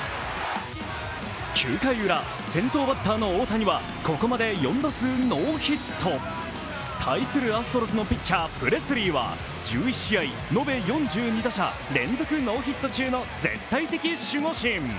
９回ウラ、先頭バッターの大谷はここまで４打数ノーヒット。対するアストロズのピッチャー・プレスリーは１１試合、延べ４２打者連続ノーヒット中の絶対的守護神。